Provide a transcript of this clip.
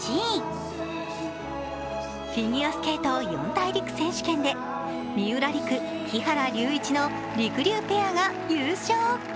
フィギュアスケート四大陸選手権で三浦璃来、木原龍一のりくりゅうペアが優勝。